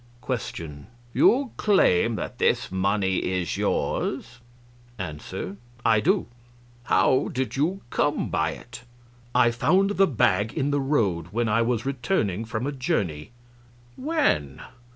QUESTION. You claim that this money is yours? ANSWER. I do. Q. How did you come by it? A. I found the bag in the road when I was returning from a journey. Q. When?